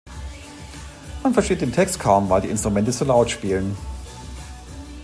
Man versteht den Text kaum, weil die Instrumente so laut spielen.